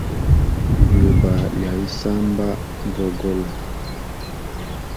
Yuba lya isamba nzogolo.